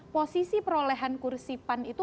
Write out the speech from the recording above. posisi perolehan kursi pan itu